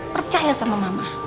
percaya sama mama